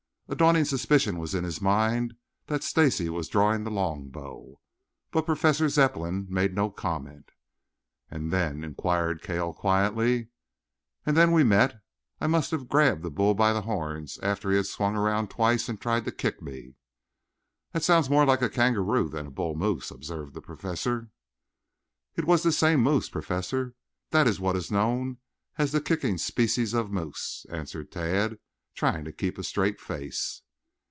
A dawning suspicion was in his mind that Stacy was drawing the longbow. But Professor Zepplin made no comment. "And then?" inquired Cale quietly. "And then we met. I I must have grabbed the bull by the horns after he had swung around twice and tried to kick me " "That sounds more like a kangaroo than a bull moose," observed the Professor. "It was this same moose, Professor. This is what is known as the kicking species of moose," answered Tad, trying to keep a straight face.